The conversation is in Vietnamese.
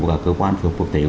các cơ quan phương quốc tế